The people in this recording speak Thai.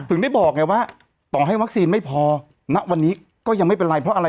ถึงได้บอกไงว่าต่อให้วัคซีนไม่พอณวันนี้ก็ยังไม่เป็นไรเพราะอะไร